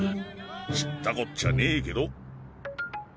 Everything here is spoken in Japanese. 知ったこっちゃねえけど。